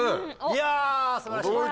いや素晴らしい。